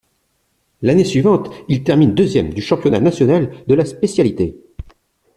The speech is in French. L'année suivante, il termine deuxième du championnat national de la spécialité.